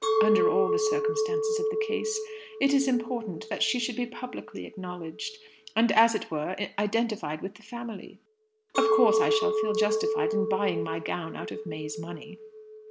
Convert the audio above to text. Under all the circumstances of the case, it is important that she should be publicly acknowledged, and, as it were, identified with the family. Of course, I shall feel justified in buying my gown out of May's money."